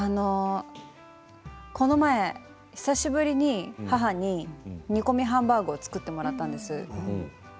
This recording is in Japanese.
この間、久しぶりに母に煮込みハンバーグを作ってもらったんです。